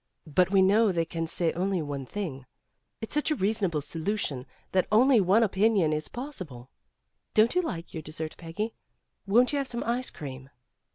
But we know they can say only one thing. It's such a reasonable solution that only one opinion is possible. Don't you like your dessert, Peggy? Won't you have some ice cream?"